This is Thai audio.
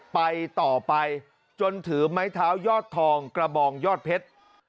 ไปต่อไปจนถือไม้เท้ายอดทองกระบองยอดเพชร